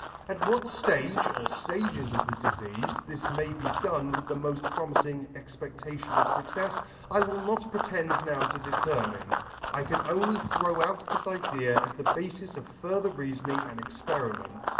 At what ftage or jftages of the difeafe this may he done with the moft promifing expectation of fuccefs, I will not pretend now to determine. I only throw out this idea as the bafis of further reafoning and experiment.